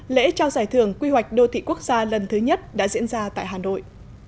lễ trao giải thưởng quy hoạch đô thị quốc gia lần thứ nhất đã diễn ra tại hà nội